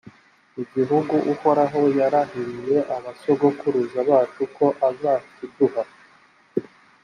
igihugu uhoraho yarahiye abasogokuruza bacu ko azakiduha.